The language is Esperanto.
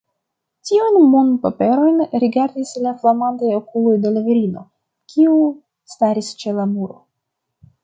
Tiujn monpaperojn rigardis la flamantaj okuloj de la virino, kiu staris ĉe la muro.